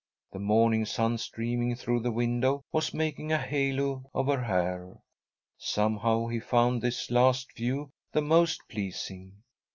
The morning sun, streaming through the window, was making a halo of her hair. Somehow he found this last view the most pleasing.